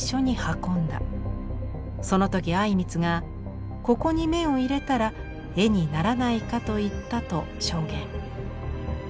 その時靉光がここに眼を入れたら絵にならないかと言った」と証言。